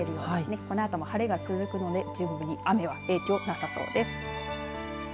このあとも晴れが続くので準備に影響なさそうです。